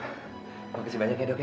terima kasih banyak ya dok ya